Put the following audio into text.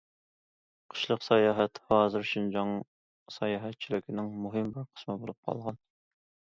قىشلىق ساياھەت ھازىر شىنجاڭ ساياھەتچىلىكىنىڭ مۇھىم بىر قىسمى بولۇپ قالغان.